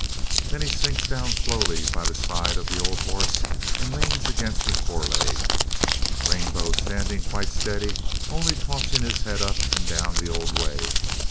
Then he sinks down slowly by the side of the old horse and leans against his fore leg, Rainbow standing quite steady, only tossing his head up and down the old way.